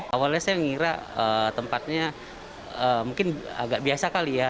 awalnya saya mengira tempatnya mungkin agak biasa kali ya